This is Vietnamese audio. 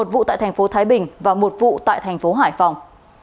một vụ tại tp thái bình và một vụ tại tp hải phòng